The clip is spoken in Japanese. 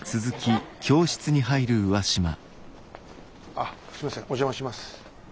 あすいませんお邪魔します。